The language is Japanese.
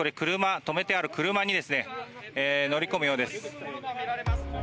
止めてある車に乗り込むようです。